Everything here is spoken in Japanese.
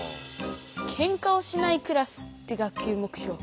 「ケンカをしないクラス」って学級目標